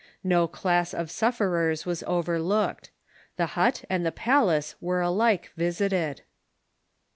No class of sufferers was overlooked. The hut and the palace were alike visited.